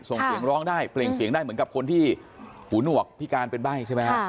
ส่งเสียงร้องได้เปล่งเสียงได้เหมือนกับคนที่หูหนวกพิการเป็นใบ้ใช่ไหมฮะ